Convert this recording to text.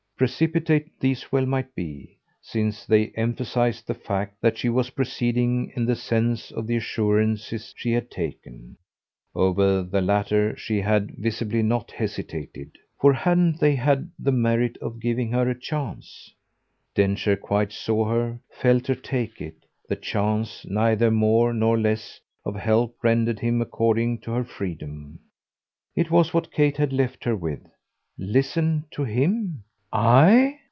Precipitate these well might be, since they emphasised the fact that she was proceeding in the sense of the assurances she had taken. Over the latter she had visibly not hesitated, for hadn't they had the merit of giving her a chance? Densher quite saw her, felt her take it; the chance, neither more nor less, of help rendered him according to her freedom. It was what Kate had left her with: "Listen to him, I?